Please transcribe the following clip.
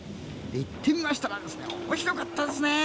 行ってみたら面白かったですね。